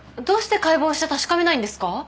どうして解剖して確かめないんですか？